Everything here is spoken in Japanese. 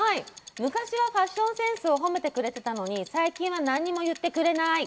昔はファションセンスを褒めてくれてたのに最近は何も言ってくれない。